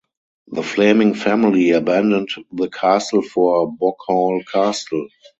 The Fleming family abandoned the castle for Boghall Castle.